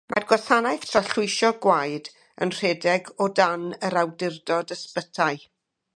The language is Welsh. Mae'r gwasanaeth trallwyso gwaed yn rhedeg o dan yr Awdurdod Ysbytai.